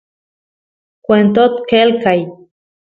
kwentot qelqay